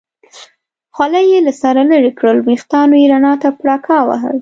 خولۍ یې له سره لرې کړل، وریښتانو یې رڼا ته پړکا وهل.